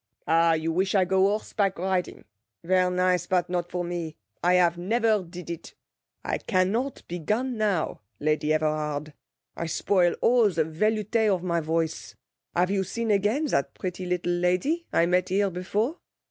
'Ah, you wish I go horseback riding. Ver' nice, but not for me. I have never did it. I cannot begun now, Lady Everard. I spoil all the velouté of my voice. Have you seen again that pretty little lady I met here before?